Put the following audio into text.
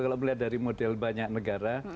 kalau melihat dari model banyak negara